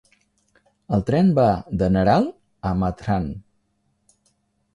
El tren va de Neral a Mathran.